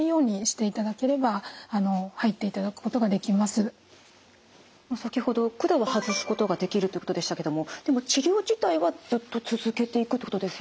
ご自宅で先ほど管を外すことができるってことでしたけどもでも治療自体はずっと続けていくってことですよね？